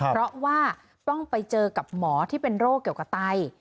เพราะว่าต้องไปเจอกับหมอที่เป็นโรคเกี่ยวกับไต